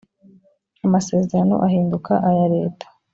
amasezerano ahinduka aya leta